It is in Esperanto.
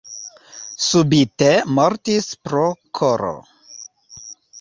Subite mortis pro koro.